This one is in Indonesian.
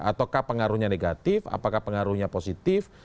ataukah pengaruhnya negatif apakah pengaruhnya positif